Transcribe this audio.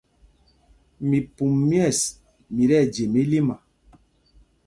Mipum myɛ̂ɛs, mi tí ɛjem ílima.